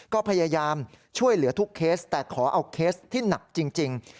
ก็พยายามช่วยเหลือทุกเคสแต่ขอเอาเคสที่หนักจริง